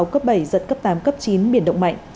cấp bảy dẫn cấp tám cấp chín